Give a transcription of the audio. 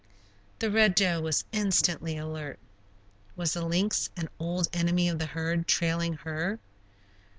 The Red Doe was instantly alert. Was the lynx, an old enemy of the herd, trailing her?